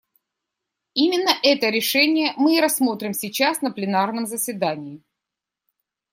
Именно это решение мы и рассмотрим сейчас на пленарном заседании.